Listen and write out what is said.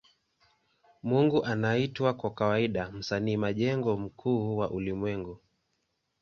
Mungu anaitwa kwa kawaida Msanii majengo mkuu wa ulimwengu.